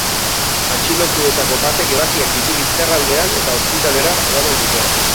Atxilotuetako batek ebakiak ditu bizkar aldean eta ospitalera eraman dute.